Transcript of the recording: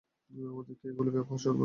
আমাদের কে এগুলি সরবরাহ করে?